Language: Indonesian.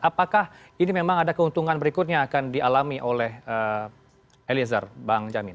apakah ini memang ada keuntungan berikutnya akan dialami oleh eliezer bang jamin